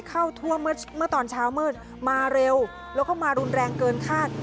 เข้าทั่วเมื่อตอนเช้ามืดมาเร็วแล้วก็มารุนแรงเกินคาด